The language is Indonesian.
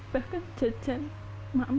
bahkan jajan maaf siang